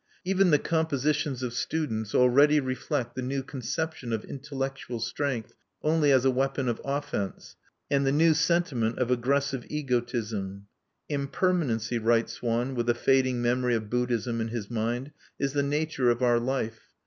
Even the compositions of students already reflect the new conception of intellectual strength only as a weapon of offense, and the new sentiment of aggressive egotism. "Impermanency," writes one, with a fading memory of Buddhism in his mind, "is the nature of our life.